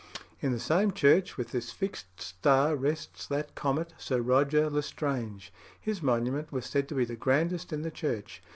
In the same church with this fixed star rests that comet, Sir Roger l'Estrange. His monument was said to be the grandest in the church.